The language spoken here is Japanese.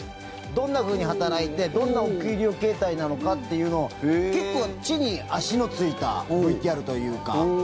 どんなふうに働いてどんなお給料形態なのかっていうのを結構地に足の着いたＶＴＲというか。